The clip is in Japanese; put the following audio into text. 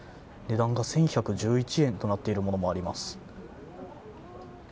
値段が１１１１円となっているものもあります。